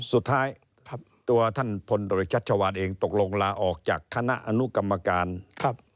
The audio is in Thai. สุดท้ายตัวท่านพลตรวจชัชวานเองตกลงลาออกจากคณะอนุกรรมการครับ